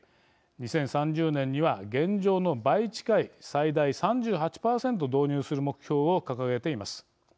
２０３０年には現状の倍近い最大３８％導入する目標を掲げています。